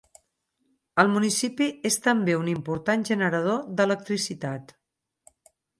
El municipi és també un important generador d'electricitat.